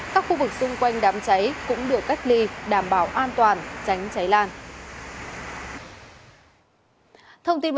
các khu vực xung quanh đám cháy cũng được cách ly đảm bảo an toàn tránh cháy lan